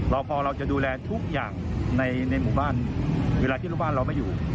พอเราจะดูแลทุกอย่างในหมู่บ้านเวลาที่ลูกบ้านเราไม่อยู่